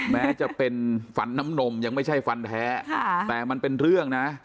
แม้จะเป็นฝันน้ำนมยังไม่ใช่ฟันแท้แต่มันเป็นเรื่องนะ